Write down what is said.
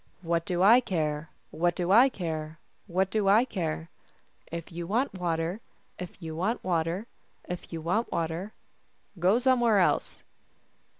" What do I care ? What do I care ? What do I care ?" If you want water, If you want water, If you want water, Go somewhere else."